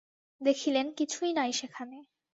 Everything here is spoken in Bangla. দেখিলেন, কিছুই নাই সেখানে।